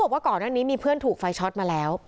ว่าก่อนหน้านี้มีเพื่อนถูกไฟช็อตมาแล้ว